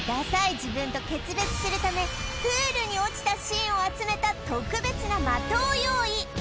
自分と決別するためプールに落ちたシーンを集めた特別な的を用意